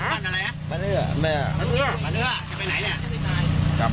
เรือบ้านเชิดครับ